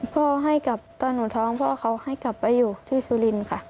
ให้กับตอนหนูท้องพ่อเขาให้กลับไปอยู่ที่สุรินทร์ค่ะ